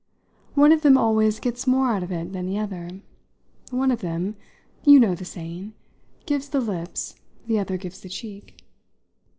One of them always gets more out of it than the other. One of them you know the saying gives the lips, the other gives the cheek."